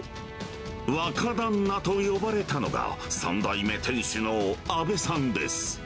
若旦那と呼ばれたのが、３代目店主の阿部さんです。